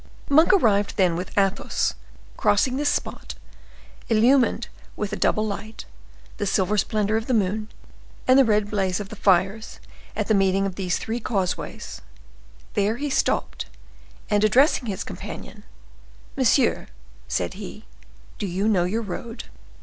Monk arrived then with Athos, crossing this spot, illumined with a double light, the silver splendor of the moon, and the red blaze of the fires at the meeting of these three causeways; there he stopped, and addressing his companion,—"Monsieur," said he, "do you know your road?"